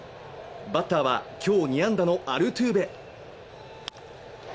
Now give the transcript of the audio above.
バッターは今日２安打のアルトゥーベ。